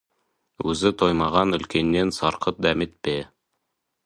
Өзі тоймаған үлкеннен сарқыт дәметпе.